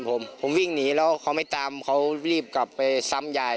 ผมวิ่งหนีเขาไม่ตามรีบคุยกับผม